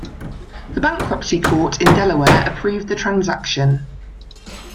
The Bankruptcy Court in Delaware approved the transaction.